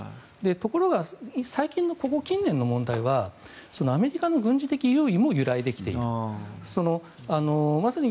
ところが最近のここ近年の問題はアメリカの軍事的優位も揺らいできている。